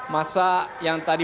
masa yang tadi